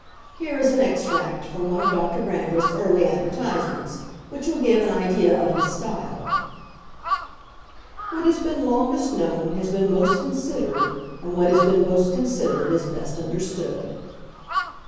Here is an extract from one of Dr. Brandreth's early advertisements, which will give an idea of his style: "'What has been longest known has been most considered, and what has been most considered is best understood.